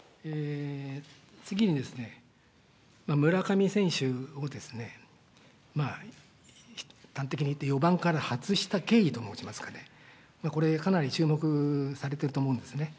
次にですね、村上選手をですね、端的に言って４番から外した経緯と申しますかね、これ、かなり注目されてると思うんですね。